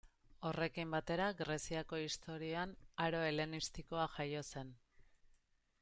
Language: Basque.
Horrekin batera, Greziako historian Aro Helenistikoa jaio zen.